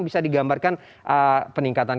bisa digambarkan peningkatan